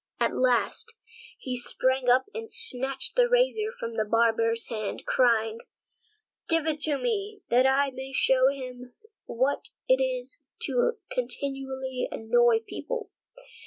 At last he sprang up and snatched the razor from the barber's hand, crying: "Give it to me, that I may show him what it is to continually annoy people."